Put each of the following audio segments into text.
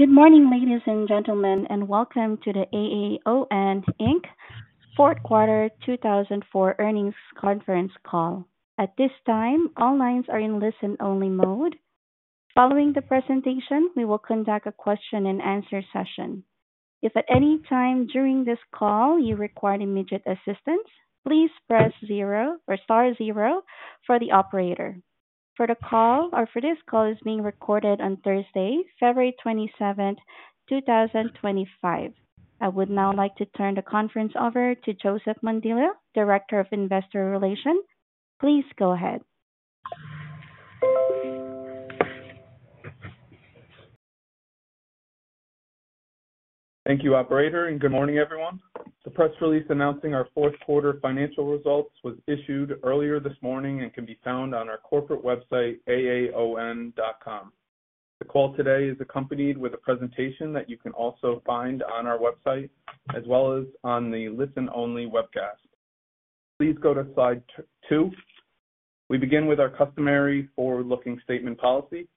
Good morning, ladies and gentlemen, and welcome to the AAON, Inc. Fourth Quarter 2024 earnings conference call. At this time, all lines are in listen-only mode. Following the presentation, we will conduct a question-and-answer session. If at any time during this call you require immediate assistance, please press zero or star zero for the operator. This call is being recorded on Thursday, February 27, 2025. I would now like to turn the conference over to Joseph Mondillo, Director of Investor Relations. Please go ahead. Thank you, Operator, and good morning, everyone. The press release announcing our fourth quarter financial results was issued earlier this morning and can be found on our corporate website, AAON.com. The call today is accompanied with a presentation that you can also find on our website as well as on the listen-only webcast. Please go to slide two. We begin with our customary forward-looking statement policy.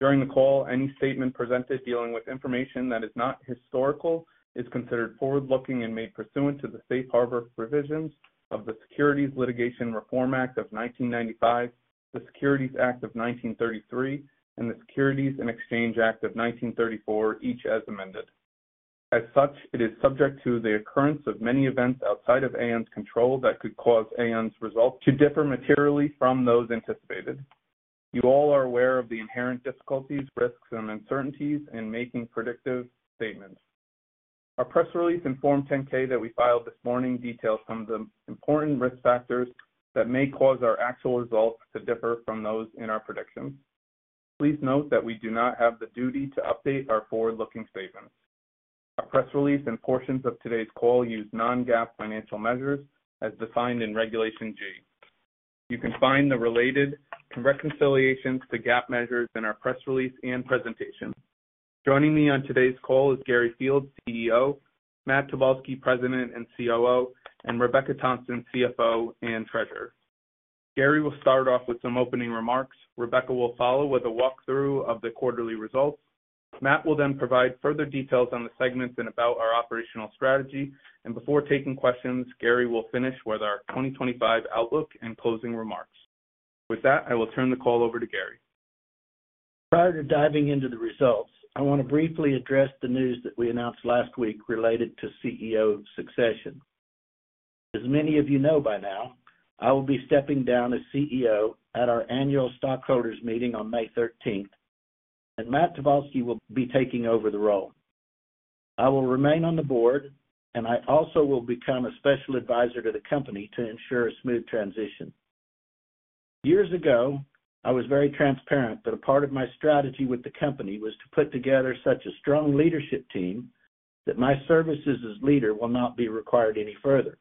During the call, any statement presented dealing with information that is not historical is considered forward-looking and made pursuant to the safe harbor provisions of the Securities Litigation Reform Act of 1995, the Securities Act of 1933, and the Securities and Exchange Act of 1934, each as amended. As such, it is subject to the occurrence of many events outside of AAON's control that could cause AAON's results to differ materially from those anticipated. You all are aware of the inherent difficulties, risks, and uncertainties in making predictive statements. Our press release in Form 10-K that we filed this morning details some of the important risk factors that may cause our actual results to differ from those in our predictions. Please note that we do not have the duty to update our forward-looking statements. Our press release and portions of today's call use non-GAAP financial measures as defined in Regulation G. You can find the related reconciliations to GAAP measures in our press release and presentation. Joining me on today's call is Gary Fields, CEO, Matt Tobolski, President and COO, and Rebecca Thompson, CFO and Treasurer. Gary will start off with some opening remarks. Rebecca will follow with a walkthrough of the quarterly results. Matt will then provide further details on the segments and about our operational strategy. Before taking questions, Gary will finish with our 2025 outlook and closing remarks. With that, I will turn the call over to Gary. Prior to diving into the results, I want to briefly address the news that we announced last week related to CEO succession. As many of you know by now, I will be stepping down as CEO at our annual stockholders meeting on May 13, and Matt Tobolski will be taking over the role. I will remain on the board, and I also will become a special advisor to the company to ensure a smooth transition. Years ago, I was very transparent that a part of my strategy with the company was to put together such a strong leadership team that my services as leader will not be required any further.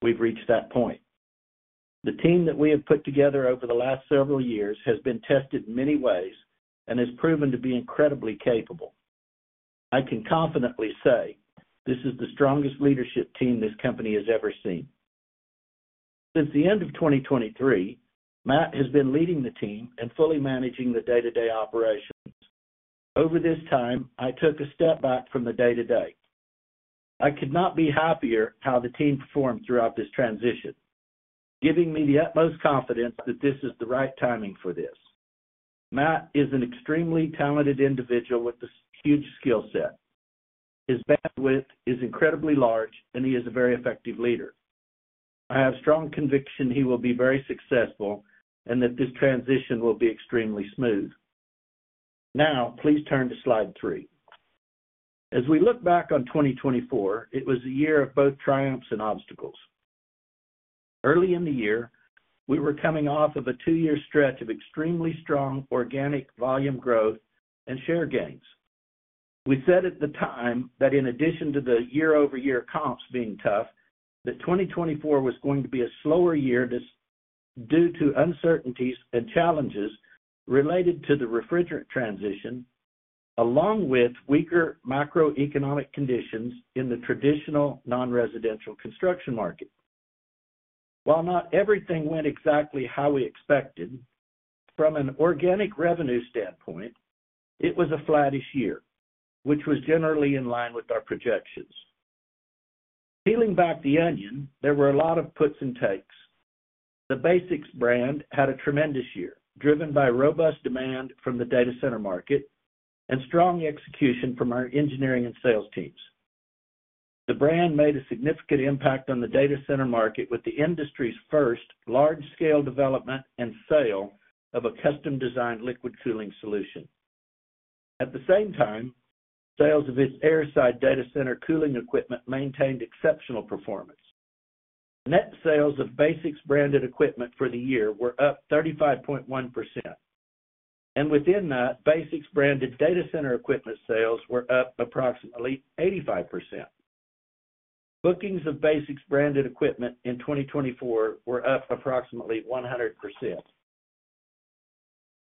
We've reached that point. The team that we have put together over the last several years has been tested in many ways and has proven to be incredibly capable. I can confidently say this is the strongest leadership team this company has ever seen. Since the end of 2023, Matt has been leading the team and fully managing the day-to-day operations. Over this time, I took a step back from the day-to-day. I could not be happier how the team performed throughout this transition, giving me the utmost confidence that this is the right timing for this. Matt is an extremely talented individual with a huge skill set. His bandwidth is incredibly large, and he is a very effective leader. I have strong conviction he will be very successful and that this transition will be extremely smooth. Now, please turn to slide three. As we look back on 2024, it was a year of both triumphs and obstacles. Early in the year, we were coming off of a two-year stretch of extremely strong organic volume growth and share gains. We said at the time that in addition to the year-over-year comps being tough, that 2024 was going to be a slower year due to uncertainties and challenges related to the refrigerant transition, along with weaker macroeconomic conditions in the traditional non-residential construction market. While not everything went exactly how we expected, from an organic revenue standpoint, it was a flattish year, which was generally in line with our projections. Peeling back the onion, there were a lot of puts and takes. The BASX brand had a tremendous year, driven by robust demand from the data center market and strong execution from our engineering and sales teams. The brand made a significant impact on the data center market with the industry's first large-scale development and sale of a custom-designed liquid cooling solution. At the same time, sales of its airside data center cooling equipment maintained exceptional performance. Net sales of BASX branded equipment for the year were up 35.1%. And within that, BASX branded data center equipment sales were up approximately 85%. Bookings of BASX branded equipment in 2024 were up approximately 100%.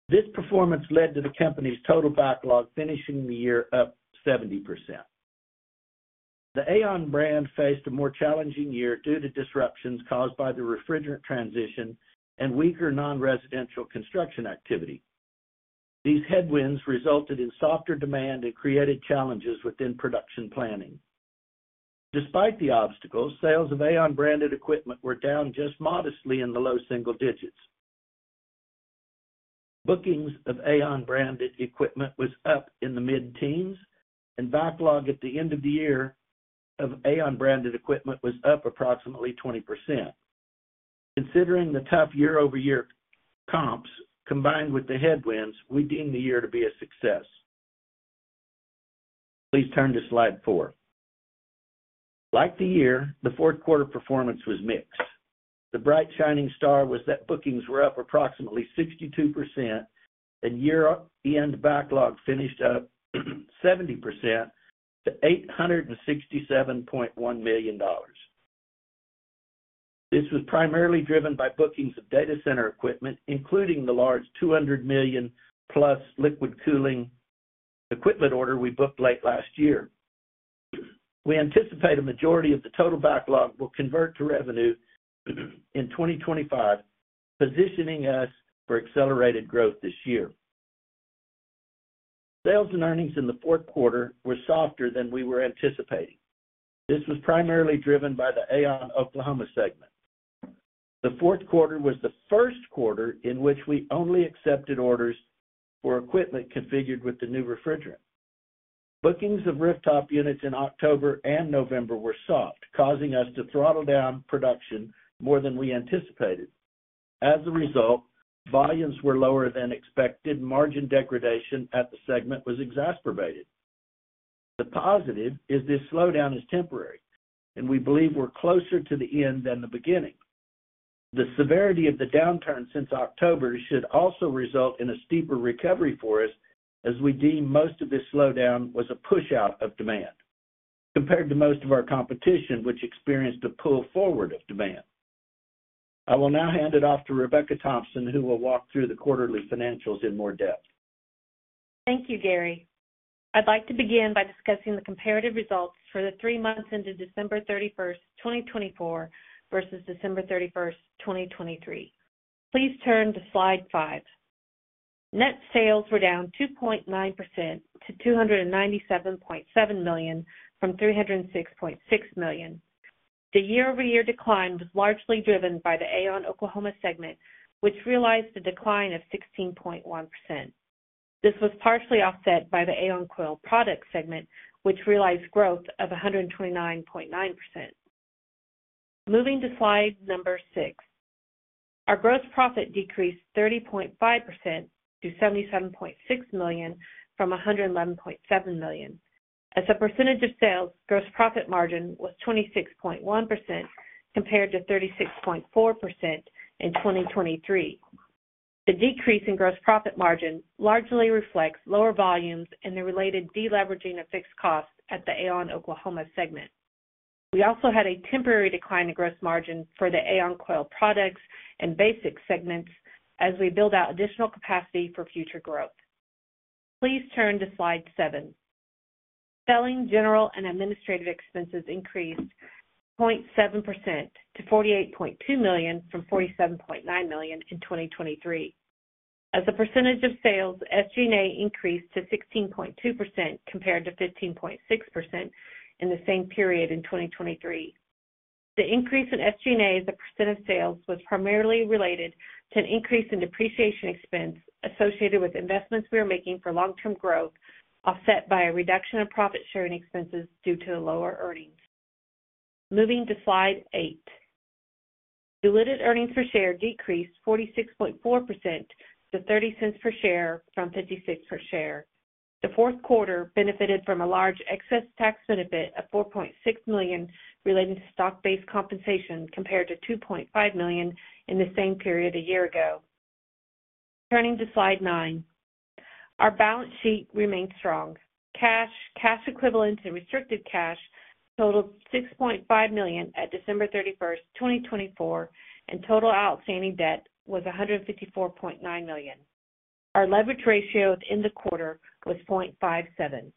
This performance led to the company's total backlog finishing the year up to 70%. The AAON brand faced a more challenging year due to disruptions caused by the refrigerant transition and weaker non-residential construction activity. These headwinds resulted in softer demand and created challenges within production planning. Despite the obstacles, sales of AAON branded equipment were down just modestly in the low single digits. Bookings of AAON branded equipment was up in the mid-teens, and backlog at the end of the year of AAON branded equipment was up approximately 20%. Considering the tough year-over-year comps combined with the headwinds, we deem the year to be a success. Please turn to slide four. Like the year, the fourth quarter performance was mixed. The bright shining star was that bookings were up approximately 62%, and year-end backlog finished up 70% to $867.1 million. This was primarily driven by bookings of data center equipment, including the large $200 million-plus liquid cooling equipment order we booked late last year. We anticipate a majority of the total backlog will convert to revenue in 2025, positioning us for accelerated growth this year. Sales and earnings in the fourth quarter were softer than we were anticipating. This was primarily driven by the AAON Oklahoma segment. The fourth quarter was the first quarter in which we only accepted orders for equipment configured with the new refrigerant. Bookings of rooftop units in October and November were soft, causing us to throttle down production more than we anticipated. As a result, volumes were lower than expected, and margin degradation at the segment was exacerbated. The positive is this slowdown is temporary, and we believe we're closer to the end than the beginning. The severity of the downturn since October should also result in a steeper recovery for us, as we deem most of this slowdown was a push-out of demand compared to most of our competition, which experienced a pull forward of demand. I will now hand it off to Rebecca Thompson, who will walk through the quarterly financials in more depth. Thank you, Gary. I'd like to begin by discussing the comparative results for the three months into December 31, 2024 versus December 31, 2023. Please turn to slide five. Net sales were down 2.9% to $297.7 million from $306.6 million. The year-over-year decline was largely driven by the AAON Oklahoma segment, which realized a decline of 16.1%. This was partially offset by the AAON Coil Products segment, which realized growth of 129.9%. Moving to slide number six, our gross profit decreased 30.5% to $77.6 million from $111.7 million. As a percentage of sales, gross profit margin was 26.1% compared to 36.4% in 2023. The decrease in gross profit margin largely reflects lower volumes and the related deleveraging of fixed costs at the AAON Oklahoma segment. We also had a temporary decline in gross margin for the AAON Coil Products and BASX segments as we build out additional capacity for future growth. Please turn to slide seven. Selling, general, and administrative expenses increased 0.7% to $48.2 million from $47.9 million in 2023. As a percentage of sales, SG&A increased to 16.2% compared to 15.6% in the same period in 2023. The increase in SG&A as a percent of sales was primarily related to an increase in depreciation expense associated with investments we were making for long-term growth, offset by a reduction in profit-sharing expenses due to the lower earnings. Moving to slide eight, diluted earnings per share decreased 46.4% to $0.30 per share from $0.56 per share. The fourth quarter benefited from a large excess tax benefit of $4.6 million related to stock-based compensation compared to $2.5 million in the same period a year ago. Turning to slide nine, our balance sheet remained strong. Cash, cash equivalents, and restricted cash totaled $6.5 million at December 31st, 2024, and total outstanding debt was $154.9 million. Our leverage ratio at the end of the quarter was 0.57.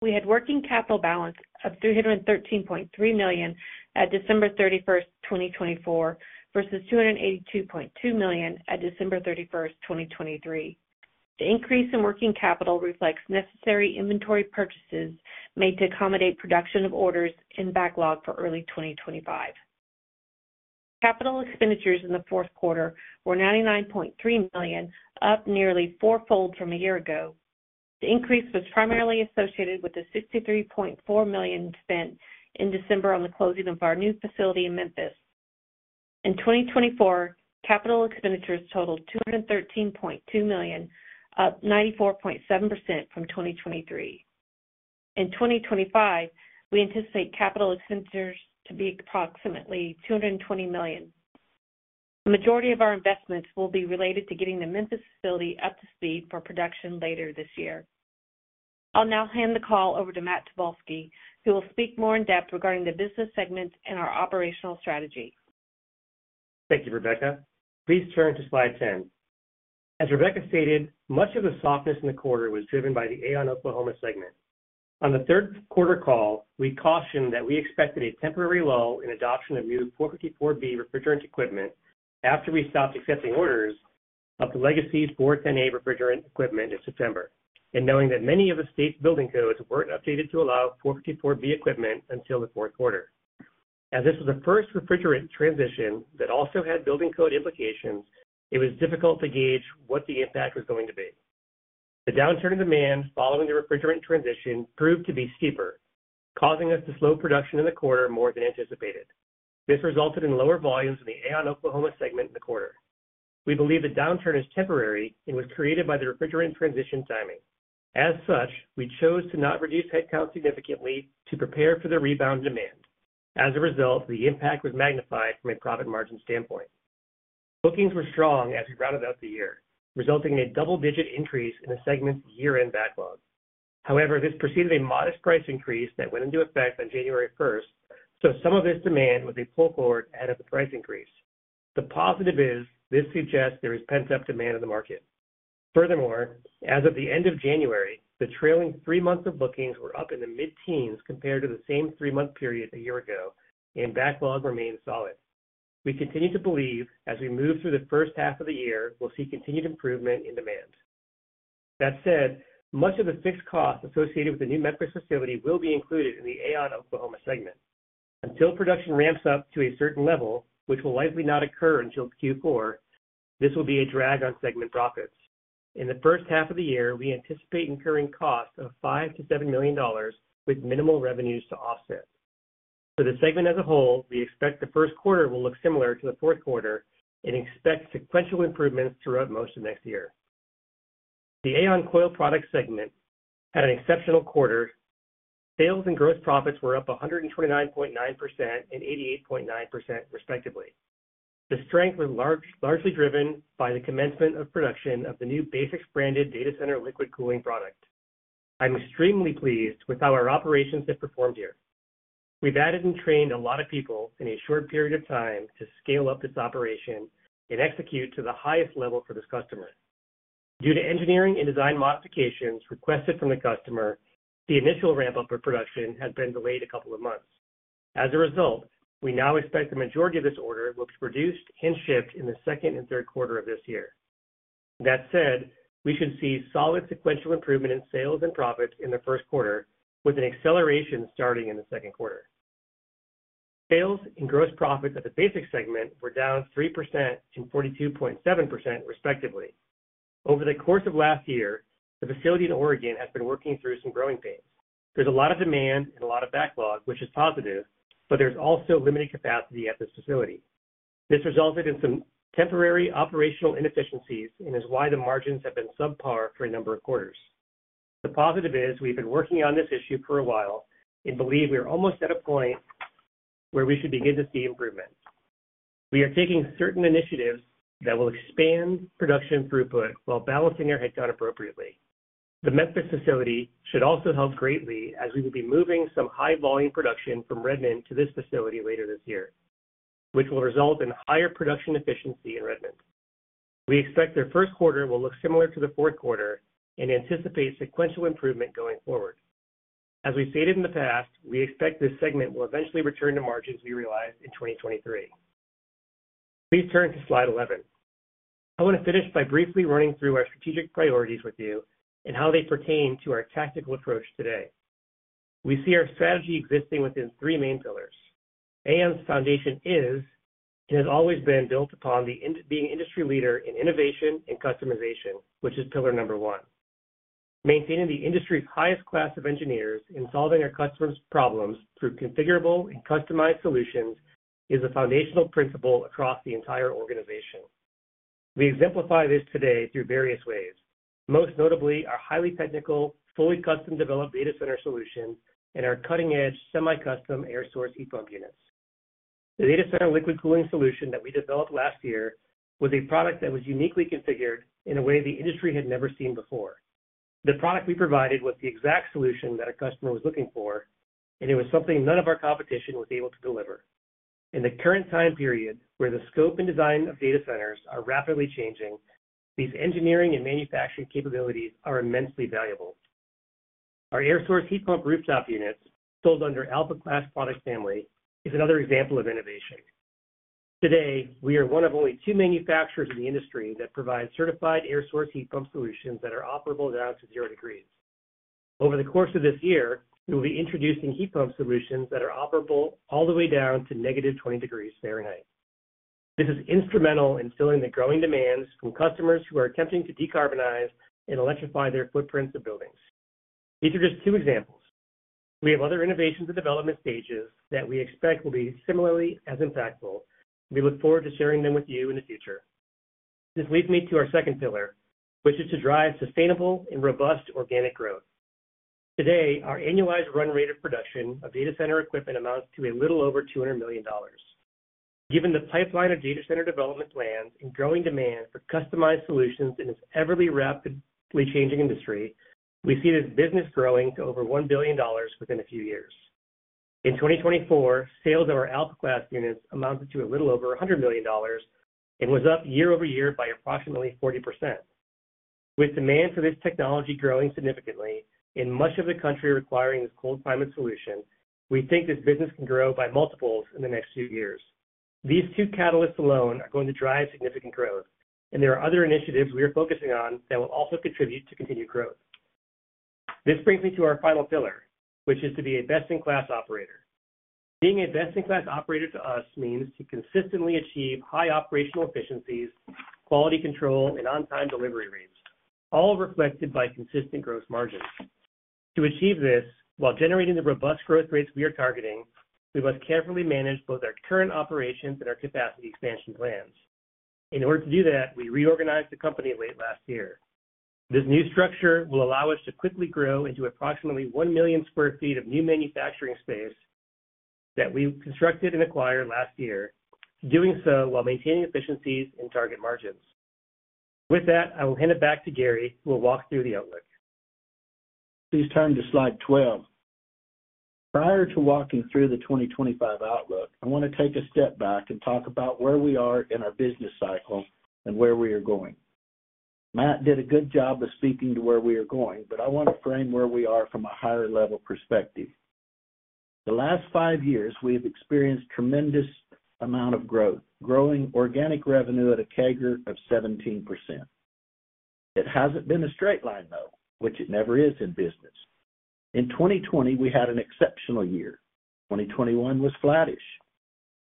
We had working capital balance of $313.3 million at December 31st, 2024, versus $282.2 million at December 31st, 2023. The increase in working capital reflects necessary inventory purchases made to accommodate production of orders in backlog for early 2025. Capital expenditures in the fourth quarter were $99.3 million, up nearly four-fold from a year ago. The increase was primarily associated with the $63.4 million spent in December on the closing of our new facility in Memphis. In 2024, capital expenditures totaled $213.2 million, up 94.7% from 2023. In 2025, we anticipate capital expenditures to be approximately $220 million. The majority of our investments will be related to getting the Memphis facility up to speed for production later this year. I'll now hand the call over to Matt Tobolski, who will speak more in depth regarding the business segments and our operational strategy. Thank you, Rebecca. Please turn to slide 10. As Rebecca stated, much of the softness in the quarter was driven by the AAON Oklahoma segment. On the third quarter call, we cautioned that we expected a temporary lull in adoption of new R-454B refrigerant equipment after we stopped accepting orders of the legacy R-410A refrigerant equipment in September, and knowing that many of the state's building codes weren't updated to allow R-454B equipment until the fourth quarter. As this was the first refrigerant transition that also had building code implications, it was difficult to gauge what the impact was going to be. The downturn in demand following the refrigerant transition proved to be steeper, causing us to slow production in the quarter more than anticipated. This resulted in lower volumes in the AAON Oklahoma segment in the quarter. We believe the downturn is temporary and was created by the refrigerant transition timing. As such, we chose to not reduce headcount significantly to prepare for the rebound demand. As a result, the impact was magnified from a profit margin standpoint. Bookings were strong as we rounded out the year, resulting in a double-digit increase in the segment's year-end backlog. However, this preceded a modest price increase that went into effect on January 1st, so some of this demand was a pull forward ahead of the price increase. The positive is this suggests there is pent-up demand in the market. Furthermore, as of the end of January, the trailing three months of bookings were up in the mid-teens compared to the same three-month period a year ago, and backlog remained solid. We continue to believe as we move through the first half of the year, we'll see continued improvement in demand. That said, much of the fixed cost associated with the new Memphis facility will be included in the AAON Oklahoma segment. Until production ramps up to a certain level, which will likely not occur until Q4, this will be a drag on segment profits. In the first half of the year, we anticipate incurring costs of $5 million to $7 million with minimal revenues to offset. For the segment as a whole, we expect the first quarter will look similar to the fourth quarter and expect sequential improvements throughout most of next year. The AAON Coil Products segment had an exceptional quarter. Sales and gross profits were up 129.9% and 88.9%, respectively. The strength was largely driven by the commencement of production of the new BASX branded data center liquid cooling product. I'm extremely pleased with how our operations have performed here. We've added and trained a lot of people in a short period of time to scale up this operation and execute to the highest level for this customer. Due to engineering and design modifications requested from the customer, the initial ramp-up of production has been delayed a couple of months. As a result, we now expect the majority of this order will be produced and shipped in the second and third quarter of this year. That said, we should see solid sequential improvement in sales and profits in the first quarter, with an acceleration starting in the second quarter. Sales and gross profits at the BASX segment were down 3% and 42.7%, respectively. Over the course of last year, the facility in Oregon has been working through some growing pains. There's a lot of demand and a lot of backlog, which is positive, but there's also limited capacity at this facility. This resulted in some temporary operational inefficiencies and is why the margins have been subpar for a number of quarters. The positive is we've been working on this issue for a while and believe we're almost at a point where we should begin to see improvements. We are taking certain initiatives that will expand production throughput while balancing our headcount appropriately. The Memphis facility should also help greatly as we will be moving some high-volume production from Redmond to this facility later this year, which will result in higher production efficiency in Redmond. We expect the first quarter will look similar to the fourth quarter and anticipate sequential improvement going forward. As we stated in the past, we expect this segment will eventually return to margins we realized in 2023. Please turn to slide 11. I want to finish by briefly running through our strategic priorities with you and how they pertain to our tactical approach today. We see our strategy existing within three main pillars. AAON's foundation is and has always been built upon being industry leader in innovation and customization, which is pillar number one. Maintaining the industry's highest class of engineers and solving our customers' problems through configurable and customized solutions is a foundational principle across the entire organization. We exemplify this today through various ways, most notably our highly technical, fully custom-developed data center solution and our cutting-edge semi-custom air source heat pump units. The data center liquid cooling solution that we developed last year was a product that was uniquely configured in a way the industry had never seen before. The product we provided was the exact solution that a customer was looking for, and it was something none of our competition was able to deliver. In the current time period, where the scope and design of data centers are rapidly changing, these engineering and manufacturing capabilities are immensely valuable. Our air source heat pump rooftop units, sold under Alpha Class product family, is another example of innovation. Today, we are one of only two manufacturers in the industry that provide certified air source heat pump solutions that are operable down to zero degrees. Over the course of this year, we will be introducing heat pump solutions that are operable all the way down to negative 20 degrees Fahrenheit. This is instrumental in filling the growing demands from customers who are attempting to decarbonize and electrify their footprints of buildings. These are just two examples. We have other innovations and development stages that we expect will be similarly as impactful. We look forward to sharing them with you in the future. This leads me to our second pillar, which is to drive sustainable and robust organic growth. Today, our annualized run rate of production of data center equipment amounts to a little over $200 million. Given the pipeline of data center development plans and growing demand for customized solutions in this ever increasingly rapidly changing industry, we see this business growing to over $1 billion within a few years. In 2024, sales of our Alpha Class units amounted to a little over $100 million and was up year over year by approximately 40%. With demand for this technology growing significantly and much of the country requiring this cold climate solution, we think this business can grow by multiples in the next few years. These two catalysts alone are going to drive significant growth, and there are other initiatives we are focusing on that will also contribute to continued growth. This brings me to our final pillar, which is to be a best-in-class operator. Being a best-in-class operator to us means to consistently achieve high operational efficiencies, quality control, and on-time delivery rates, all reflected by consistent gross margins. To achieve this, while generating the robust growth rates we are targeting, we must carefully manage both our current operations and our capacity expansion plans. In order to do that, we reorganized the company late last year. This new structure will allow us to quickly grow into approximately 1 million sq ft of new manufacturing space that we constructed and acquired last year, doing so while maintaining efficiencies and target margins. With that, I will hand it back to Gary, who will walk through the outlook. Please turn to slide 12. Prior to walking through the 2025 outlook, I want to take a step back and talk about where we are in our business cycle and where we are going. Matt did a good job of speaking to where we are going, but I want to frame where we are from a higher-level perspective. The last five years, we have experienced a tremendous amount of growth, growing organic revenue at a CAGR of 17%. It hasn't been a straight line, though, which it never is in business. In 2020, we had an exceptional year. 2021 was flattish.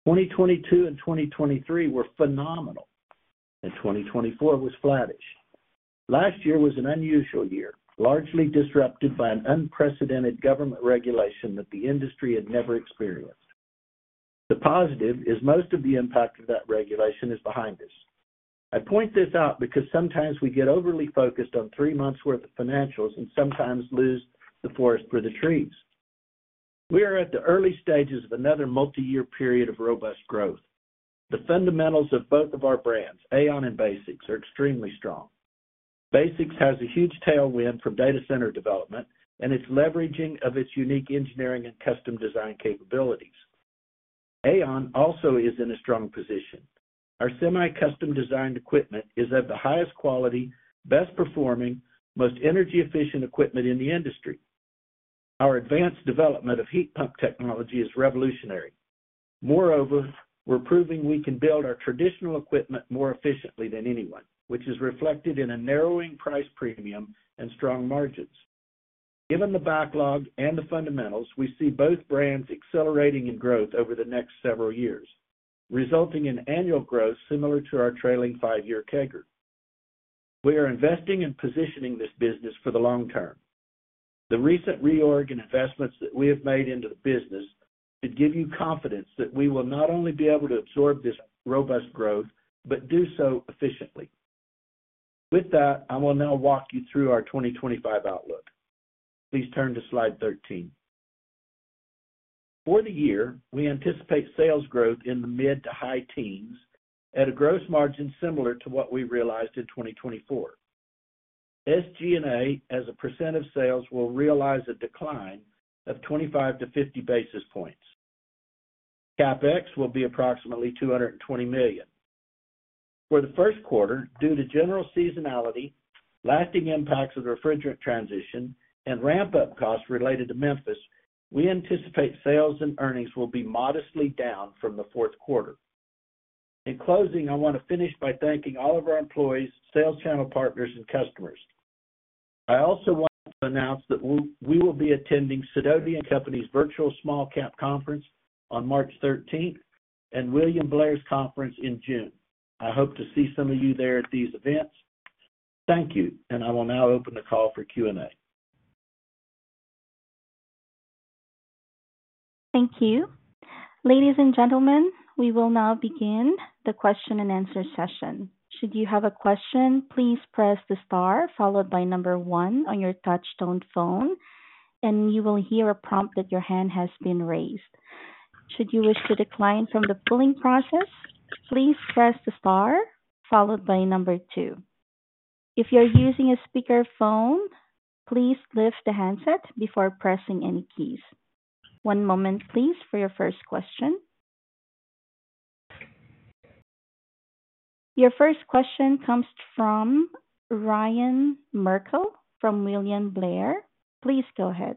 2022 and 2023 were phenomenal. And 2024 was flattish. Last year was an unusual year, largely disrupted by an unprecedented government regulation that the industry had never experienced. The positive is most of the impact of that regulation is behind us. I point this out because sometimes we get overly focused on three months' worth of financials and sometimes lose the forest for the trees. We are at the early stages of another multi-year period of robust growth. The fundamentals of both of our brands, AAON and BASX, are extremely strong. BASX has a huge tailwind from data center development and its leveraging of its unique engineering and custom design capabilities. AAON also is in a strong position. Our semi-custom designed equipment is of the highest quality, best-performing, most energy-efficient equipment in the industry. Our advanced development of heat pump technology is revolutionary. Moreover, we're proving we can build our traditional equipment more efficiently than anyone, which is reflected in a narrowing price premium and strong margins. Given the backlog and the fundamentals, we see both brands accelerating in growth over the next several years, resulting in annual growth similar to our trailing five-year CAGR. We are investing and positioning this business for the long term. The recent reorg and investments that we have made into the business should give you confidence that we will not only be able to absorb this robust growth, but do so efficiently. With that, I will now walk you through our 2025 outlook. Please turn to slide 13. For the year, we anticipate sales growth in the mid to high teens at a gross margin similar to what we realized in 2024. SG&A as a percent of sales will realize a decline of 25 basis points to 50 basis points. CapEx will be approximately $220 million. For the first quarter, due to general seasonality, lasting impacts of the refrigerant transition, and ramp-up costs related to Memphis, we anticipate sales and earnings will be modestly down from the fourth quarter. In closing, I want to finish by thanking all of our employees, sales channel partners, and customers. I also want to announce that we will be attending Sidoti & Company's virtual small-cap conference on March 13th and William Blair's conference in June. I hope to see some of you there at these events. Thank you, and I will now open the call for Q&A. Thank you. Ladies and gentlemen, we will now begin the question and answer session. Should you have a question, please press the star followed by number one on your touch-tone phone, and you will hear a prompt that your hand has been raised. Should you wish to decline from the polling process, please press the star followed by number two. If you're using a speakerphone, please lift the handset before pressing any keys. One moment, please, for your first question. Your first question comes from Ryan Merkel from William Blair. Please go ahead.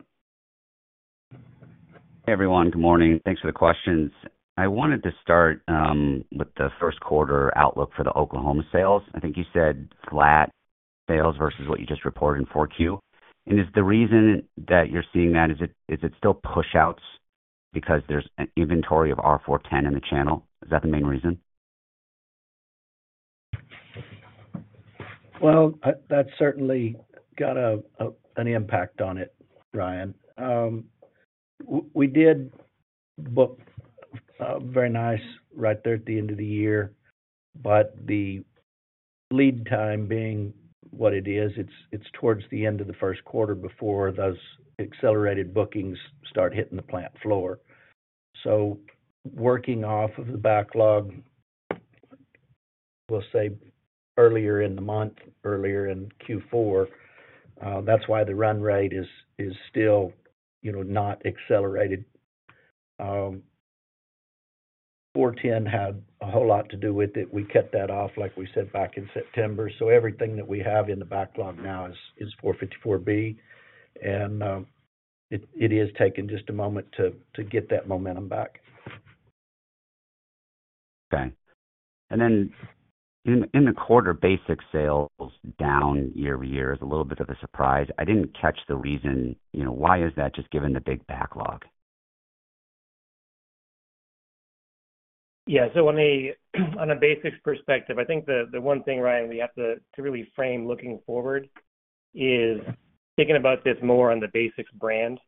Hey, everyone. Good morning. Thanks for the questions. I wanted to start with the first quarter outlook for the Oklahoma sales. I think you said flat sales versus what you just reported in 4Q. And is the reason that you're seeing that, is it still push-outs because there's an inventory of R-410A in the channel? Is that the main reason? Well, that's certainly got an impact on it, Ryan. We did book very nice right there at the end of the year, but the lead time being what it is, it's towards the end of the first quarter before those accelerated bookings start hitting the plant floor. So working off of the backlog, we'll say earlier in the month, earlier in Q4, that's why the run rate is still not accelerated. R-410A had a whole lot to do with it. We cut that off, like we said, back in September. So everything that we have in the backlog now is R-454B, and it is taking just a moment to get that momentum back. Okay, and then in the quarter, BASX sales down year over year is a little bit of a surprise. I didn't catch the reason. Why is that just given the big backlog? Yeah. So on a BASX perspective, I think the one thing, Ryan, we have to really frame looking forward is thinking about this more on the BASX brand.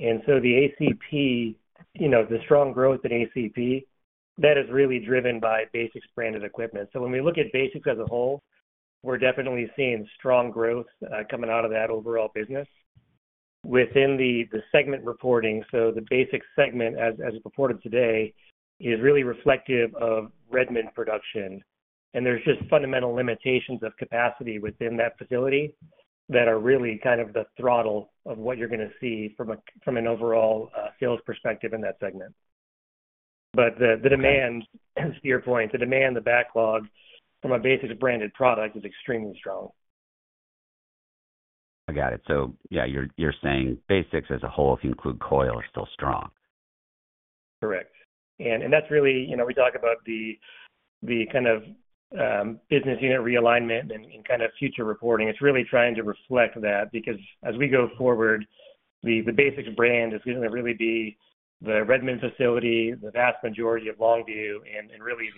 And so the ACP, the strong growth in ACP, that is really driven by BASX branded equipment. So when we look at BASX as a whole, we're definitely seeing strong growth coming out of that overall business. Within the segment reporting, so the BASX segment, as reported today, is really reflective of Redmond production, and there's just fundamental limitations of capacity within that facility that are really kind of the throttle of what you're going to see from an overall sales perspective in that segment. But the demand, to your point, the demand, the backlog from a BASX branded product is extremely strong. I got it. So yeah, you're saying BASX as a whole, if you include Coil, is still strong. Correct, and that's really what we talk about: the kind of business unit realignment and kind of future reporting. It's really trying to reflect that because as we go forward, the BASX brand is going to really be the Redmond facility, the vast majority of Longview, and really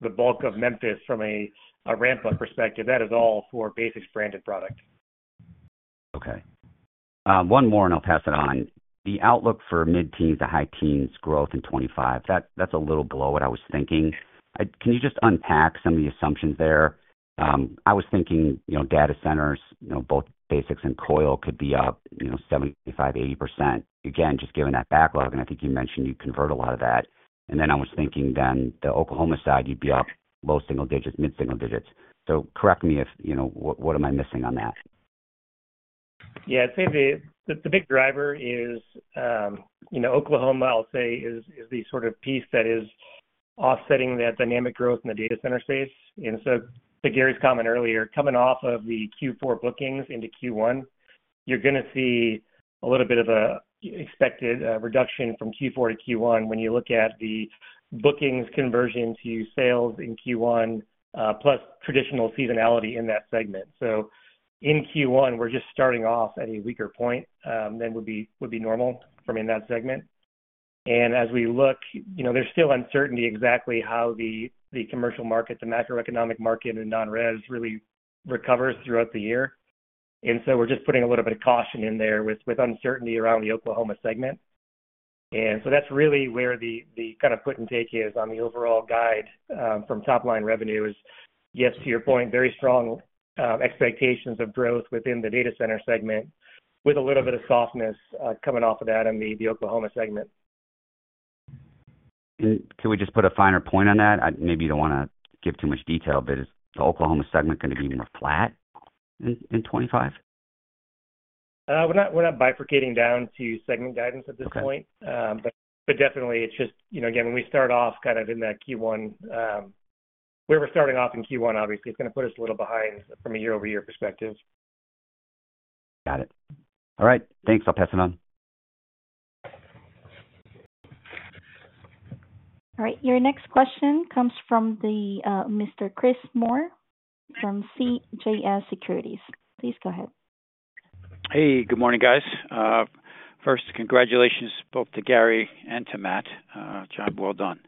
the bulk of Memphis from a ramp-up perspective. That is all for BASX branded product. Okay. One more, and I'll pass it on. The outlook for mid-teens to high-teens growth in 2025, that's a little below what I was thinking. Can you just unpack some of the assumptions there? I was thinking data centers, both BASX and Coil, could be up 75%-80%. Again, just given that backlog, and I think you mentioned you convert a lot of that. And then I was thinking then the Oklahoma side, you'd be up low-single digits, mid-single digits. So correct me if what am I missing on that? Yes. I'd say the big driver is Oklahoma, I'll say, is the sort of piece that is offsetting that dynamic growth in the data center space. And so to Gary's comment earlier, coming off of the Q4 bookings into Q1, you're going to see a little bit of an expected reduction from Q4 to Q1 when you look at the bookings conversion to sales in Q1, plus traditional seasonality in that segment. So in Q1, we're just starting off at a weaker point than would be normal from in that segment. And as we look, there's still uncertainty exactly how the commercial market, the macroeconomic market, and non-res really recovers throughout the year. And so we're just putting a little bit of caution in there with uncertainty around the Oklahoma segment. And so that's really where the kind of put and take is on the overall guide from top-line revenue is, yes, to your point, very strong expectations of growth within the data center segment, with a little bit of softness coming off of that in the Oklahoma segment. Can we just put a finer point on that? Maybe you don't want to give too much detail, but is the Oklahoma segment going to be more flat in 2025? We're not bifurcating down to segment guidance at this point, but definitely, it's just, again, when we start off kind of in that Q1, where we're starting off in Q1, obviously, it's going to put us a little behind from a year-over-year perspective. Got it. All right. Thanks. I'll pass it on. All right. Your next question comes from Mr. Chris Moore from CJS Securities. Please go ahead. Hey, good morning, guys. First, congratulations both to Gary and to Matt. Job well done.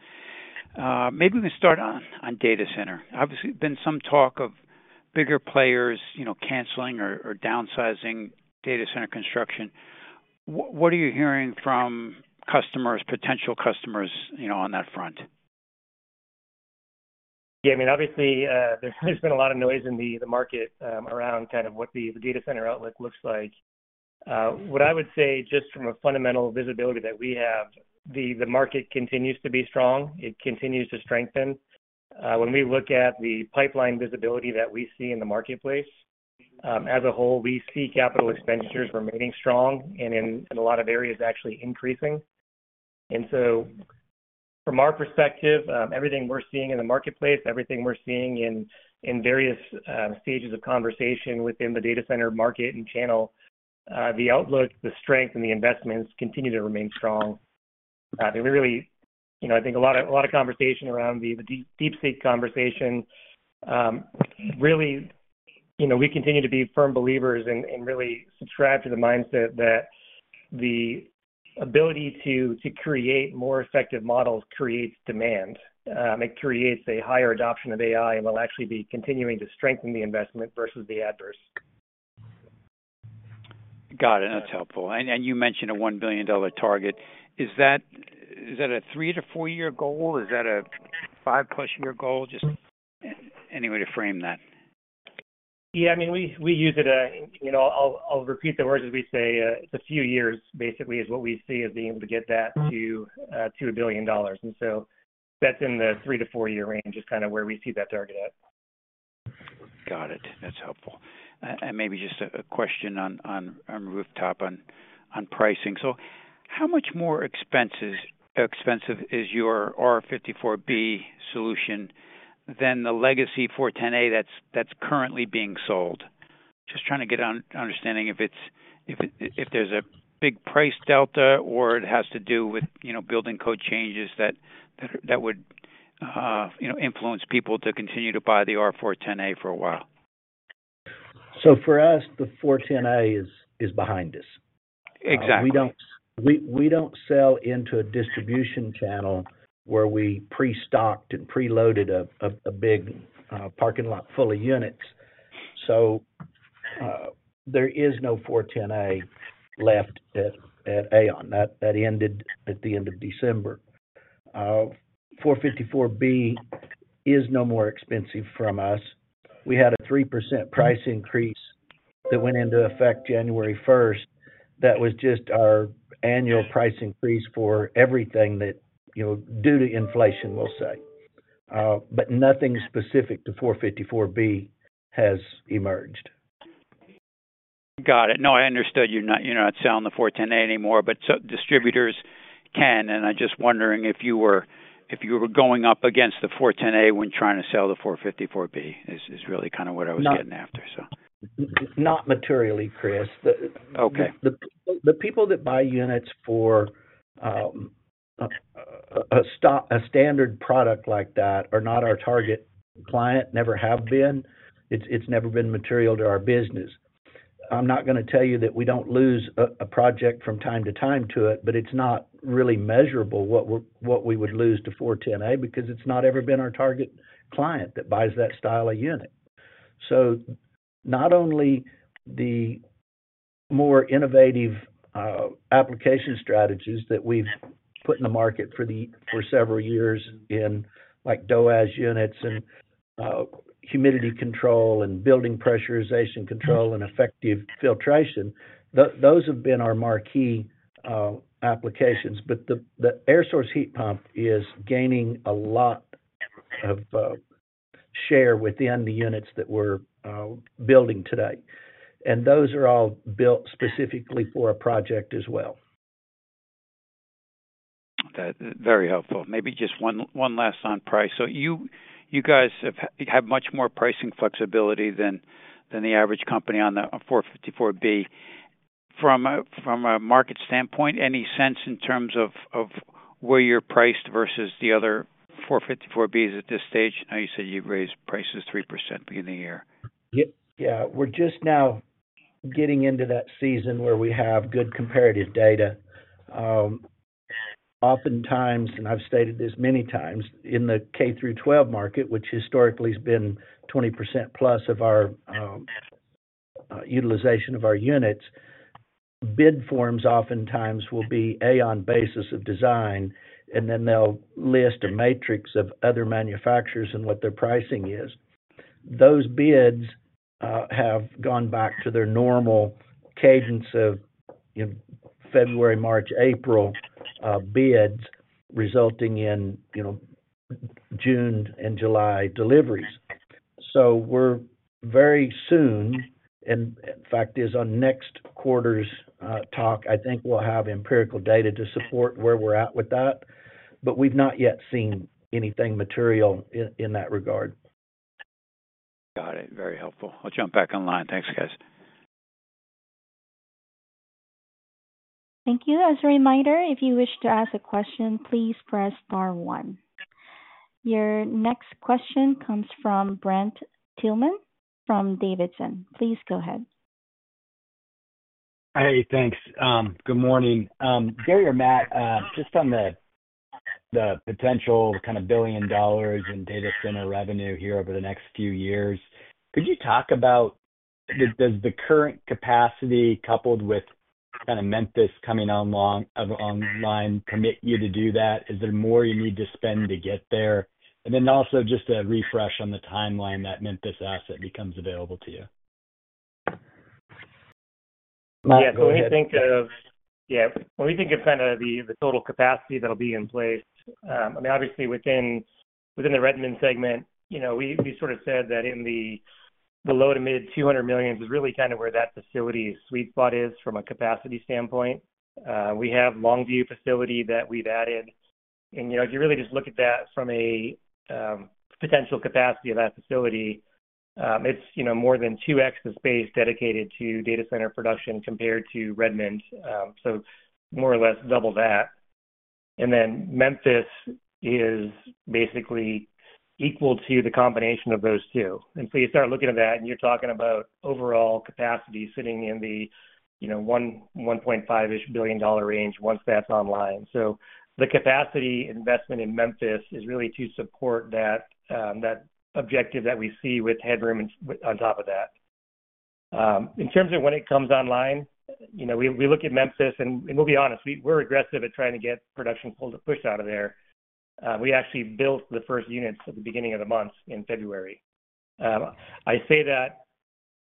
Maybe we start on data center. Obviously, there's been some talk of bigger players canceling or downsizing data center construction. What are you hearing from customers, potential customers on that front? Yeah. I mean, obviously, there's been a lot of noise in the market around kind of what the data center outlook looks like. What I would say just from a fundamental visibility that we have, the market continues to be strong. It continues to strengthen. When we look at the pipeline visibility that we see in the marketplace, as a whole, we see capital expenditures remaining strong and in a lot of areas actually increasing. And so from our perspective, everything we're seeing in the marketplace, everything we're seeing in various stages of conversation within the data center market and channel, the outlook, the strength, and the investments continue to remain strong. I think a lot of conversation around the DC conversation, really, we continue to be firm believers and really subscribe to the mindset that the ability to create more effective models creates demand. It creates a higher adoption of AI and will actually be continuing to strengthen the investment versus the adverse. Got it. That's helpful. And you mentioned a $1 billion target. Is that a three to four-year goal? Is that a five-plus-year goal? Just any way to frame that. Yeah. I mean, we use it, I'll repeat the words as we say. It's a few years, basically, is what we see as being able to get that to $1 billion. And so that's in the three year to four-year range is kind of where we see that target at. Got it. That's helpful. And maybe just a question on rooftop on pricing. So how much more expensive is your R-454B solution than the legacy R-410A that's currently being sold? Just trying to get an understanding if there's a big price delta or it has to do with building code changes that would influence people to continue to buy the R-410A for a while. So for us, the R-410A is behind us. Exactly. We don't sell into a distribution channel where we pre-stocked and preloaded a big parking lot full of units. So there is no R-410A left at AAON. That ended at the end of December. R-454B is no more expensive from us. We had a 3% price increase that went into effect January 1st that was just our annual price increase for everything due to inflation, we'll say. But nothing specific to R-454B has emerged. Got it. No, I understood you're not selling the R-410A anymore, but distributors can, and I'm just wondering if you were going up against the R-410A when trying to sell the R-454B is really kind of what I was getting after, so. Not materially, Chris. Okay. The people that buy units for a standard product like that are not our target client, never have been. It's never been material to our business. I'm not going to tell you that we don't lose a project from time to time to it, but it's not really measurable what we would lose to R-410A because it's not ever been our target client that buys that style of unit. So not only the more innovative application strategies that we've put in the market for several years in like DOAS units and humidity control and building pressurization control and effective filtration, those have been our marquee applications. But the air source heat pump is gaining a lot of share within the units that we're building today. And those are all built specifically for a project as well. Very helpful. Maybe just one last on price. So you guys have much more pricing flexibility than the average company on the R-454B. From a market standpoint, any sense in terms of where you're priced versus the other R-454Bs at this stage? I know you said you raised prices 3% beginning in the year. Yeah. We're just now getting into that season where we have good comparative data. Oftentimes, and I've stated this many times, in the K through 12 market, which historically has been 20% plus of our utilization of our units, bid forms oftentimes will be AAON basis of design, and then they'll list a matrix of other manufacturers and what their pricing is. Those bids have gone back to their normal cadence of February, March, April bids, resulting in June and July deliveries. So we're very soon, and in fact, is on next quarter's talk, I think we'll have empirical data to support where we're at with that. But we've not yet seen anything material in that regard. Got it. Very helpful. I'll jump back online. Thanks, guys. Thank you. As a reminder, if you wish to ask a question, please press star one. Your next question comes from Brent Thielman from Davidson. Please go ahead. Hey, thanks. Good morning. Gary or Matt, just on the potential kind of $1 billion in data center revenue here over the next few years, could you talk about does the current capacity coupled with kind of Memphis coming online permit you to do that? Is there more you need to spend to get there? And then also just a refresh on the timeline that Memphis asset becomes available to you. When we think of kind of the total capacity that'll be in place, I mean, obviously, within the Redmond segment, we sort of said that in the low to mid $200 million is really kind of where that facility's sweet spot is from a capacity standpoint. We have Longview facility that we've added. And if you really just look at that from a potential capacity of that facility, it's more than 2x the space dedicated to data center production compared to Redmond, so more or less double that. And then Memphis is basically equal to the combination of those two. And so you start looking at that, and you're talking about overall capacity sitting in the $1.5 billion-ish range once that's online. So the capacity investment in Memphis is really to support that objective that we see with headroom on top of that. In terms of when it comes online, we look at Memphis, and we'll be honest, we're aggressive at trying to get production pushed out of there. We actually built the first units at the beginning of the month in February. I say that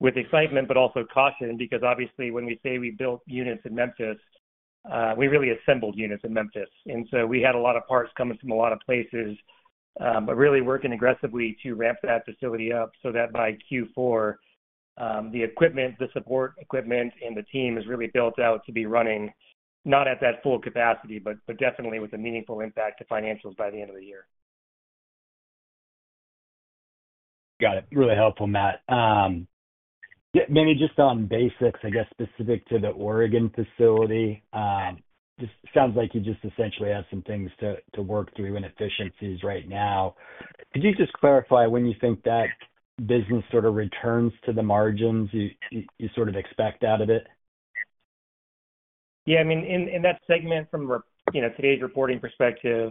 with excitement, but also caution, because obviously, when we say we built units in Memphis, we really assembled units in Memphis. And so we had a lot of parts coming from a lot of places, but really working aggressively to ramp that facility up so that by Q4, the equipment, the support equipment, and the team is really built out to be running not at that full capacity, but definitely with a meaningful impact to financials by the end of the year. Got it. Really helpful, Matt. Maybe just on BASX, I guess, specific to the Oregon facility, just sounds like you just essentially have some things to work through in efficiencies right now. Could you just clarify when you think that business sort of returns to the margins you sort of expect out of it? Yeah. I mean, in that segment from today's reporting perspective,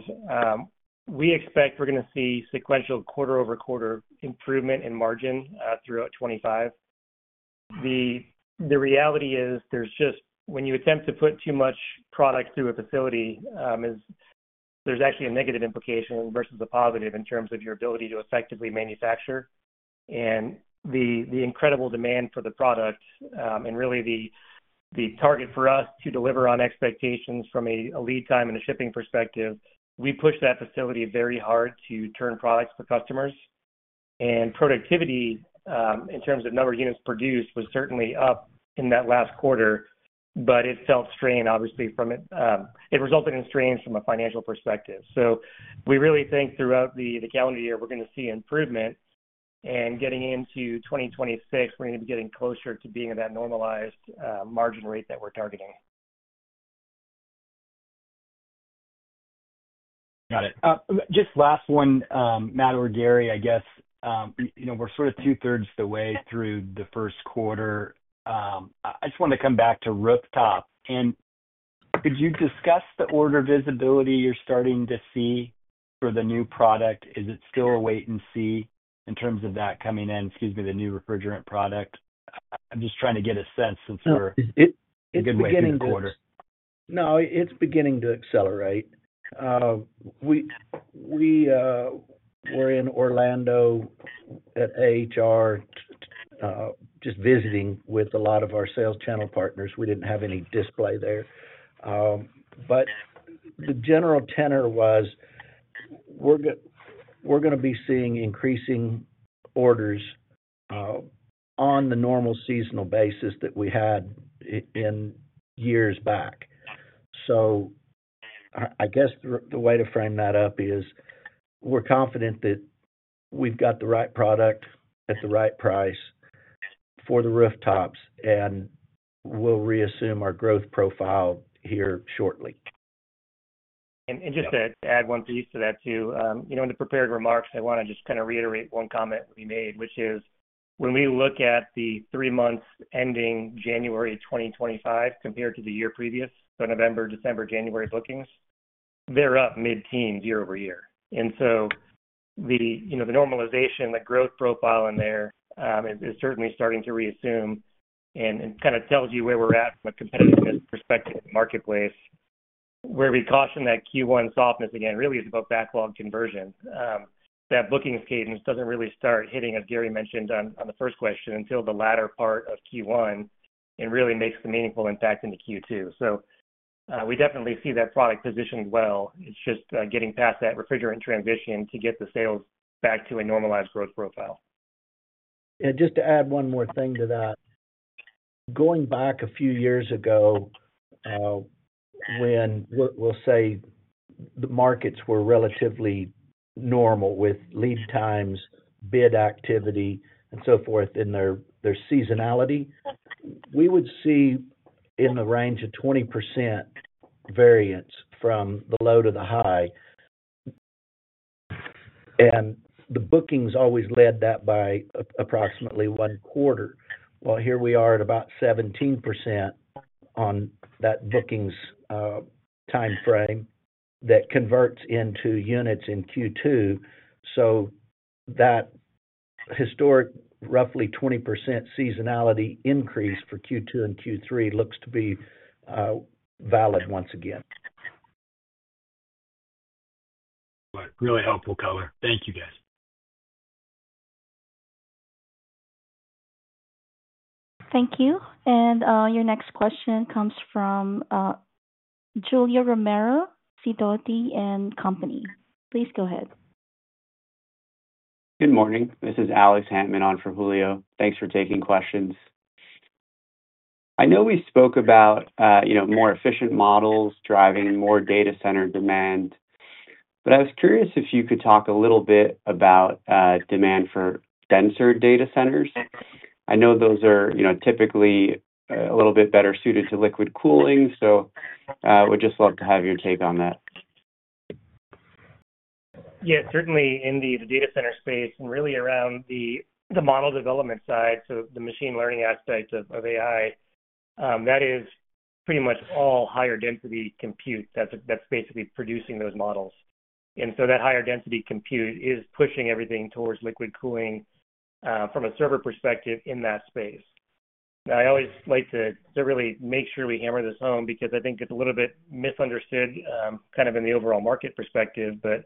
we expect we're going to see sequential quarter-over-quarter improvement in margin throughout 2025. The reality is when you attempt to put too much product through a facility, there's actually a negative implication versus a positive in terms of your ability to effectively manufacture. And the incredible demand for the product and really the target for us to deliver on expectations from a lead time and a shipping perspective, we push that facility very hard to turn products to customers, and productivity in terms of number of units produced was certainly up in that last quarter, but it felt strained, obviously, from it. It resulted in strains from a financial perspective. So we really think throughout the calendar year, we're going to see improvement and getting into 2026, we're going to be getting closer to being at that normalized margin rate that we're targeting. Got it. Just last one, Matt or Gary, I guess. We're sort of two-thirds of the way through the first quarter. I just wanted to come back to rooftop. And could you discuss the order visibility you're starting to see for the new product? Is it still a wait-and-see in terms of that coming in? Excuse me, the new refrigerant product. I'm just trying to get a sense since we're a good way through the quarter. No, it's beginning to accelerate. We were in Orlando at AHR just visiting with a lot of our sales channel partners. We didn't have any display there, but the general tenor was we're going to be seeing increasing orders on the normal seasonal basis that we had in years back, so I guess the way to frame that up is we're confident that we've got the right product at the right price for the rooftops, and we'll reassume our growth profile here shortly. And just to add one piece to that too, in the prepared remarks, I want to just kind of reiterate one comment we made, which is when we look at the three months ending January 2025 compared to the year previous, so November, December, January bookings. They're up mid-teens year-over-year and so the normalization, the growth profile in there is certainly starting to reassume and kind of tells you where we're at from a competitiveness perspective in the marketplace, where we caution that Q1 softness again really is about backlog conversion. That bookings cadence doesn't really start hitting, as Gary mentioned on the first question, until the latter part of Q1 and really makes the meaningful impact into Q2. So we definitely see that product positioned well. It's just getting past that refrigerant transition to get the sales back to a normalized growth profile. And just to add one more thing to that, going back a few years ago when, we'll say, the markets were relatively normal with lead times, bid activity, and so forth in their seasonality, we would see in the range of 20% variance from the low to the high. And the bookings always led that by approximately one quarter. Well, here we are at about 17% on that bookings timeframe that converts into units in Q2. So that historic roughly 20% seasonality increase for Q2 and Q3 looks to be valid once again. Really helpful color. Thank you, guys. Thank you. And your next question comes from Julio Romero, Sidoti & Company. Please go ahead. Good morning. This is Alex Hammond on for Julio. Thanks for taking questions. I know we spoke about more efficient models driving more data center demand, but I was curious if you could talk a little bit about demand for denser data centers. I know those are typically a little bit better suited to liquid cooling, so we'd just love to have your take on that. Yeah. Certainly, in the data center space and really around the model development side, so the machine learning aspect of AI, that is pretty much all higher density compute that's basically producing those models. And so that higher density compute is pushing everything towards liquid cooling from a server perspective in that space. Now, I always like to really make sure we hammer this home because I think it's a little bit misunderstood kind of in the overall market perspective. But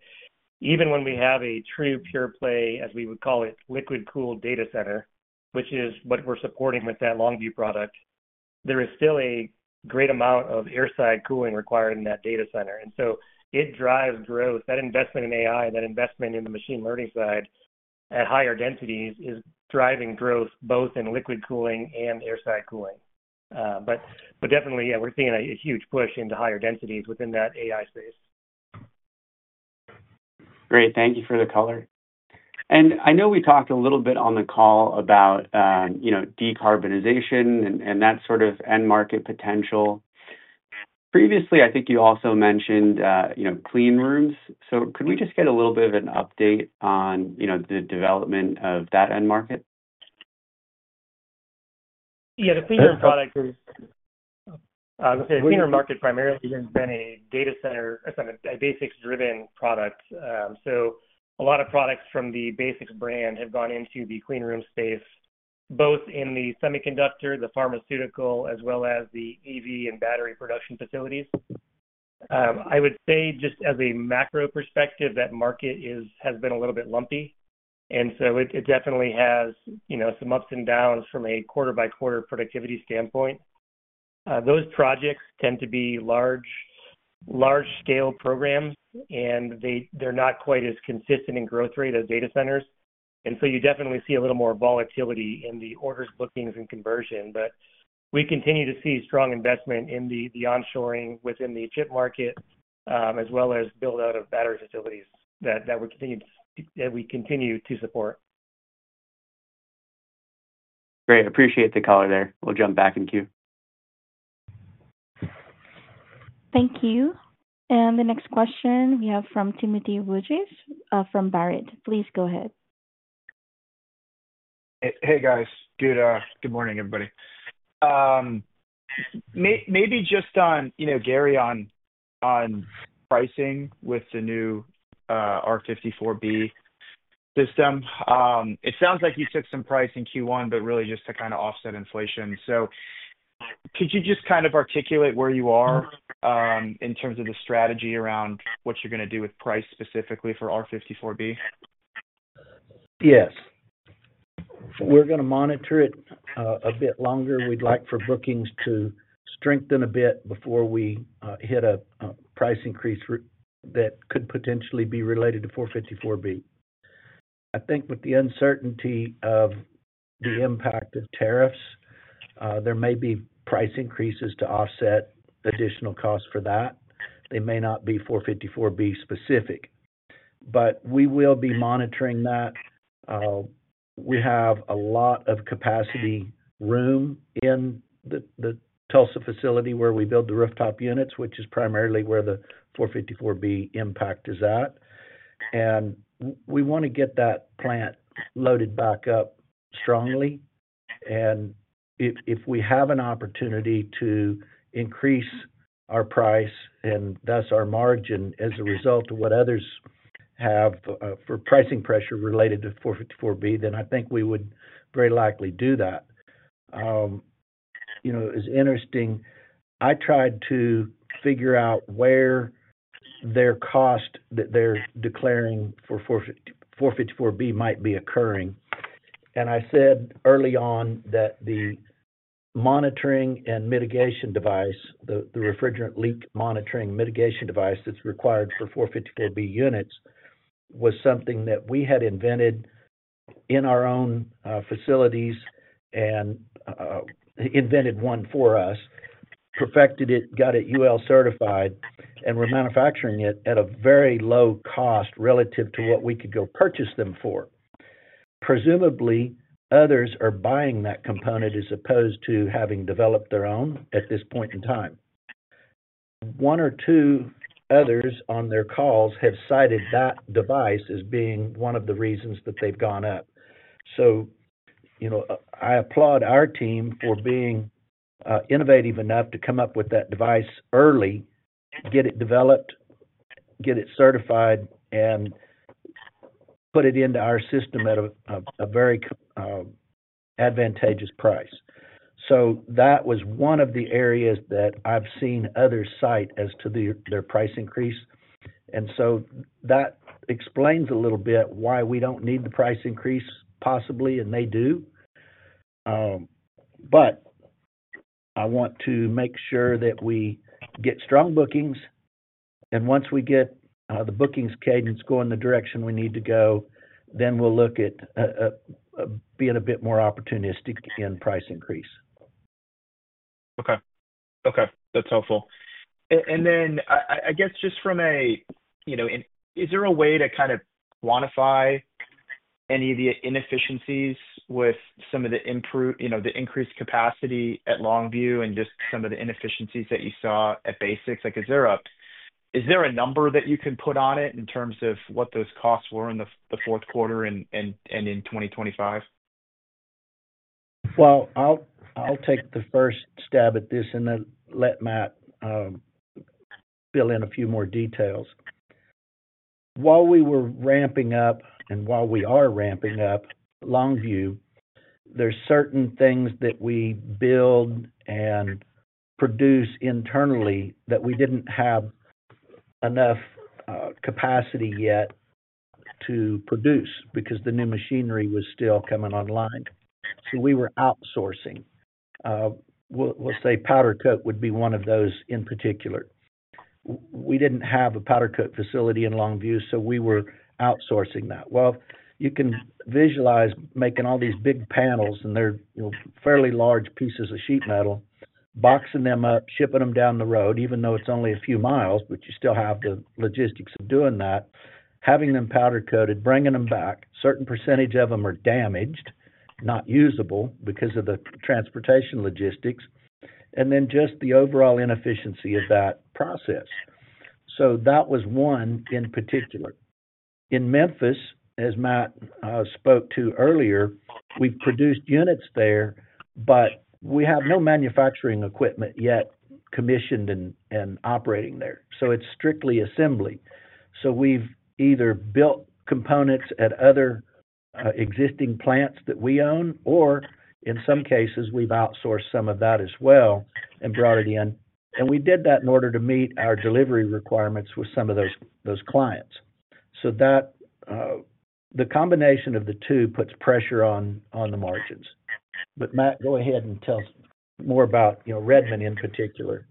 even when we have a true pure play, as we would call it, liquid cooled data center, which is what we're supporting with that Longview product, there is still a great amount of air side cooling required in that data center. And so it drives growth that investment in AI, that investment in the machine learning side at higher densities is driving growth both in liquid cooling and air side cooling. But definitely, yeah, we're seeing a huge push into higher densities within that AI space. Great. Thank you for the color. And I know we talked a little bit on the call about decarbonization and that sort of end market potential. Previously, I think you also mentioned clean rooms. So could we just get a little bit of an update on the development of that end market? Yeah. The clean room product is the clean room market primarily has been a data center BASX-driven product. So a lot of products from the BASX brand have gone into the clean room space, both in the semiconductor, the pharmaceutical, as well as the EV and battery production facilities. I would say just as a macro perspective, that market has been a little bit lumpy. And so it definitely has some ups and downs from a quarter-by-quarter productivity standpoint. Those projects tend to be large-scale programs, and they're not quite as consistent in growth rate as data centers. And so you definitely see a little more volatility in the orders, bookings, and conversion. But we continue to see strong investment in the onshoring within the chip market, as well as build-out of battery facilities that we continue to support. Great. Appreciate the color there. We'll jump back in queue. Thank you. And the next question we have from Timothy Wojs from Baird. Please go ahead. Hey, guys. Good morning, everybody. Maybe just on, Gary, on pricing with the new R-454B system. It sounds like you took some price in Q1, but really just to kind of offset inflation. So could you just kind of articulate where you are in terms of the strategy around what you're going to do with price specifically for R-454B? Yes. We're going to monitor it a bit longer. We'd like for bookings to strengthen a bit before we hit a price increase that could potentially be related to R-454B. I think with the uncertainty of the impact of tariffs, there may be price increases to offset additional costs for that. They may not be R-454B specific. But we will be monitoring that. We have a lot of capacity room in the Tulsa facility where we build the rooftop units, which is primarily where the R-454B impact is at. And we want to get that plant loaded back up strongly. And if we have an opportunity to increase our price and thus our margin as a result of what others have for pricing pressure related to R-454B, then I think we would very likely do that. It's interesting. I tried to figure out where their cost that they're declaring for R-454B might be occurring, and I said early on that the monitoring and mitigation device, the refrigerant leak monitoring mitigation device that's required for R-454B units, was something that we had invented in our own facilities and invented one for us, perfected it, got it UL certified, and we're manufacturing it at a very low cost relative to what we could go purchase them for. Presumably, others are buying that component as opposed to having developed their own at this point in time. One or two others on their calls have cited that device as being one of the reasons that they've gone up, so I applaud our team for being innovative enough to come up with that device early, get it developed, get it certified, and put it into our system at a very advantageous price. So that was one of the areas that I've seen others cite as to their price increase. And so that explains a little bit why we don't need the price increase possibly, and they do. But I want to make sure that we get strong bookings. And once we get the bookings cadence going the direction we need to go, then we'll look at being a bit more opportunistic in price increase. Okay. Okay. That's helpful. And then just from a, is there a way to kind of quantify any of the inefficiencies with some of the increased capacity at Longview and just some of the inefficiencies that you saw at BASX? Is there a number that you can put on it in terms of what those costs were in the fourth quarter and in 2025? I'll take the first stab at this and then let Matt fill in a few more details. While we were ramping up and while we are ramping up Longview, there are certain things that we build and produce internally that we didn't have enough capacity yet to produce because the new machinery was still coming online. So we were outsourcing. We'll say Powder Coat would be one of those in particular. We didn't have a Powder Coat facility in Longview, so we were outsourcing that. Well, you can visualize making all these big panels and they're fairly large pieces of sheet metal, boxing them up, shipping them down the road, even though it's only a few miles, but you still have the logistics of doing that, having them powder-coated, bringing them back. Certain percentage of them are damaged, not usable because of the transportation logistics, and then just the overall inefficiency of that process. So that was one in particular. In Memphis, as Matt spoke to earlier, we've produced units there, but we have no manufacturing equipment yet commissioned and operating there. So it's strictly assembly. So we've either built components at other existing plants that we own, or in some cases, we've outsourced some of that as well and brought it in. And we did that in order to meet our delivery requirements with some of those clients. So the combination of the two puts pressure on the margins. But Matt, go ahead and tell more about Redmond in particular.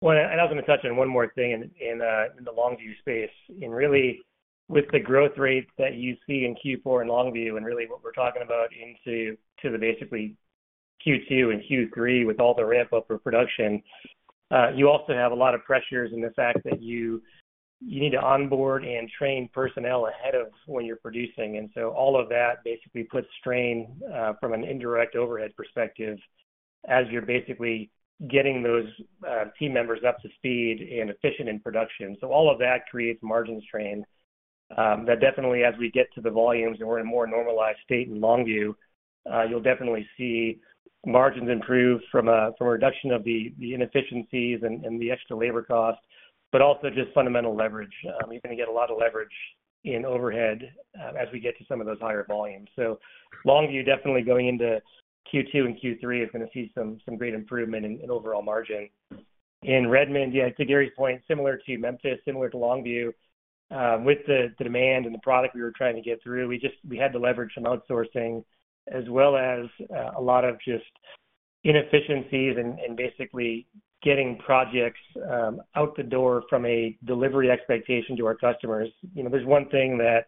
I was going to touch on one more thing in the Longview space. Really, with the growth rate that you see in Q4 in Longview and really what we're talking about into the basically Q2 and Q3 with all the ramp-up of production, you also have a lot of pressures in the fact that you need to onboard and train personnel ahead of when you're producing. All of that basically puts strain from an indirect overhead perspective as you're basically getting those team members up to speed and efficient in production. All of that creates margins strain that definitely, as we get to the volumes and we're in a more normalized state in Longview, you'll definitely see margins improve from a reduction of the inefficiencies and the extra labor cost, but also just fundamental leverage. You're going to get a lot of leverage in overhead as we get to some of those higher volumes. So Longview, definitely going into Q2 and Q3, is going to see some great improvement in overall margin. In Redmond, yeah, to Gary's point, similar to Memphis, similar to Longview, with the demand and the product we were trying to get through, we had to leverage some outsourcing as well as a lot of just inefficiencies and basically getting projects out the door from a delivery expectation to our customers. There's one thing that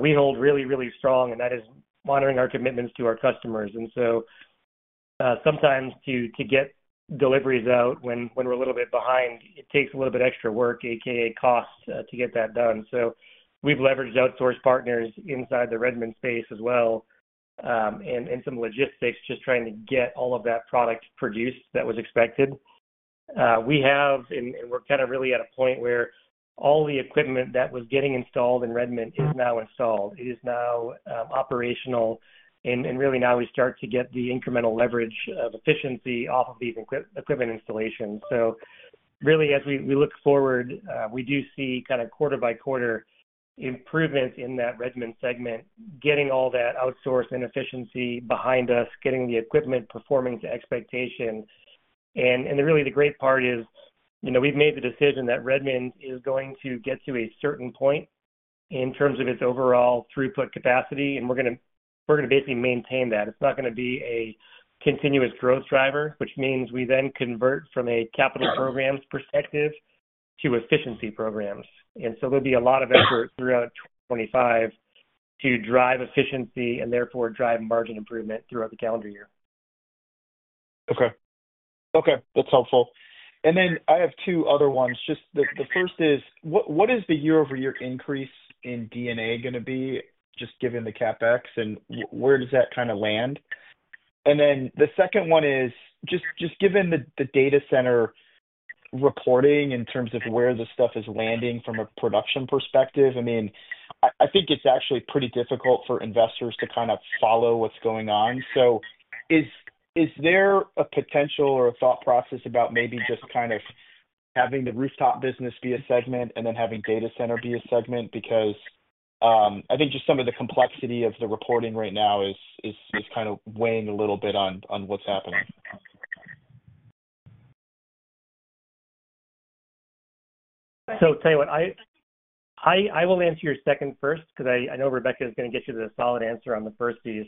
we hold really, really strong, and that is monitoring our commitments to our customers. And so sometimes to get deliveries out when we're a little bit behind, it takes a little bit extra work, AKA cost, to get that done. So we've leveraged outsourced partners inside the Redmond space as well and some logistics just trying to get all of that product produced that was expected. We have, and we're kind of really at a point where all the equipment that was getting installed in Redmond is now installed. It is now operational. And really now we start to get the incremental leverage of efficiency off of these equipment installations. So really, as we look forward, we do see kind of quarter-by-quarter improvements in that Redmond segment, getting all that outsourced inefficiency behind us, getting the equipment performing to expectation. And really, the great part is we've made the decision that Redmond is going to get to a certain point in terms of its overall throughput capacity, and we're going to basically maintain that. It's not going to be a continuous growth driver, which means we then convert from a capital programs perspective to efficiency programs. And so there'll be a lot of effort throughout 2025 to drive efficiency and therefore drive margin improvement throughout the calendar year. Okay. Okay. That's helpful. And then I have two other ones. The first is, what is the year-over-year increase in D&A going to be, just given the CapEx, and where does that kind of land? And then the second one is, just given the data center reporting in terms of where the stuff is landing from a production perspective, I mean, I think it's actually pretty difficult for investors to kind of follow what's going on. So is there a potential or a thought process about maybe just kind of having the rooftop business be a segment and then having data center be a segment? Because I think just some of the complexity of the reporting right now is kind of weighing a little bit on what's happening. So tell you what, I will answer your second first because I know Rebecca is going to get you the solid answer on the first piece.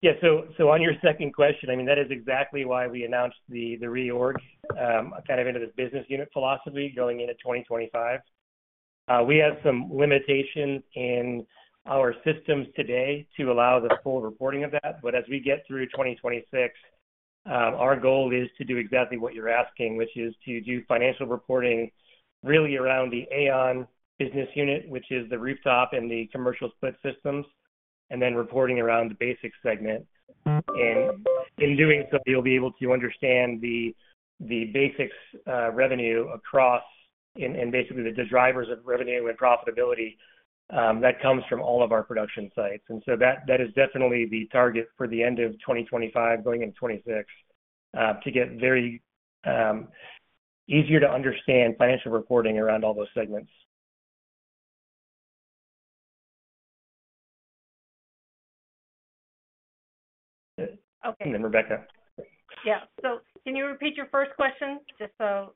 Yeah. So on your second question, I mean, that is exactly why we announced the reorg kind of into this business unit philosophy going into 2025. We have some limitations in our systems today to allow the full reporting of that. But as we get through 2026, our goal is to do exactly what you're asking, which is to do financial reporting really around the AAON business unit, which is the rooftop and the commercial split systems, and then reporting around the BASX segment. And in doing so, you'll be able to understand the BASX revenue across and basically the drivers of revenue and profitability that comes from all of our production sites. And so that is definitely the target for the end of 2025, going into 2026, to get very easier to understand financial reporting around all those segments. And then Rebecca. Yeah. So can you repeat your first question? Just so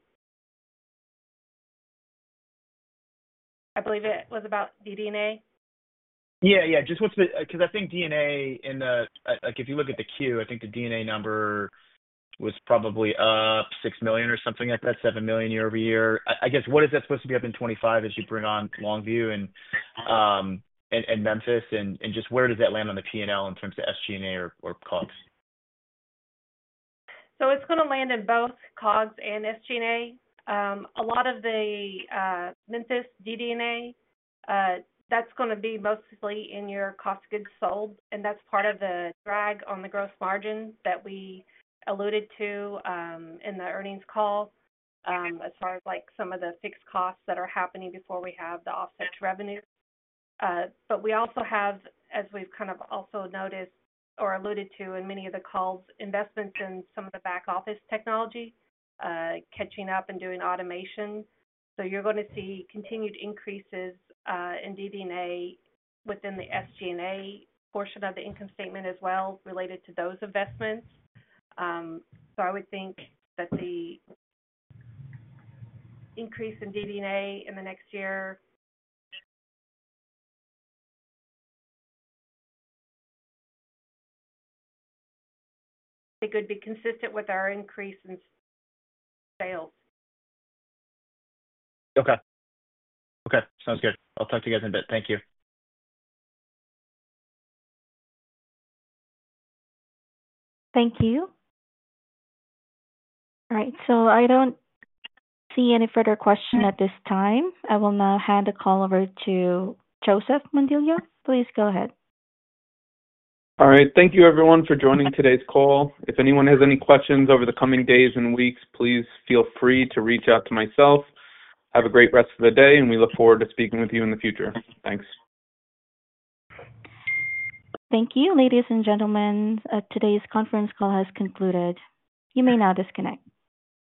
I believe it was about the D&A? Yeah. Yeah. Just what's the, because I think D&A in the, if you look at the Q, I think the D&A number was probably up $6 million or something like that, $7 million year-over-year. I guess, what is that supposed to be up in 2025 as you bring on Longview and Memphis? And just where does that land on the P&L in terms of SG&A or COGS? So it's going to land in both COGS and SG&A. A lot of the Memphis D&A, that's going to be mostly in your cost of goods sold. And that's part of the drag on the gross margin that we alluded to in the earnings call as far as some of the fixed costs that are happening before we have the offset revenue. But we also have, as we've kind of also noticed or alluded to in many of the calls, investments in some of the back office technology, catching up and doing automation. So you're going to see continued increases in D&A within the SG&A portion of the income statement as well related to those investments. So I would think that the increase in DD&A in the next year, it could be consistent with our increase in sales. Okay. Okay. Sounds good. I'll talk to you guys in a bit. Thank you. Thank you. All right, so I don't see any further question at this time. I will now hand the call over to Joseph Mondillo. Please go ahead. All right. Thank you, everyone, for joining today's call. If anyone has any questions over the coming days and weeks, please feel free to reach out to myself. Have a great rest of the day, and we look forward to speaking with you in the future. Thanks. Thank you. Ladies and gentlemen, today's conference call has concluded. You may now disconnect.